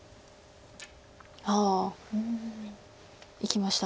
ああいきました。